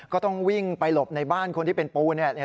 ก็ต้องวิ่งไปหลบในบ้านคนที่เป็นปูเนี่ย